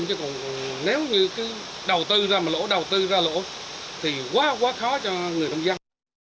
chứ còn nếu như cứ đầu tư ra mà lỗ đầu tư ra lỗ thì quá quá khó cho người nông dân